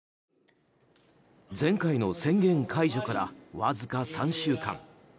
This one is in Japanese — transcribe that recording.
前回の宣言解除からわずか３週間。